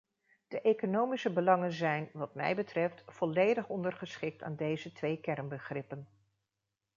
De economische belangen zijn, wat mij betreft, volledig ondergeschikt aan deze twee kernbegrippen.